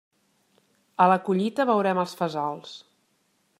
A la collita veurem els fesols.